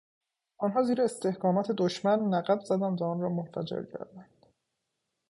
آنها زیر استحکامات دشمن نقب زدند و آن را منفجر کردند.